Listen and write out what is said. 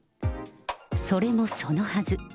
それもそのはず。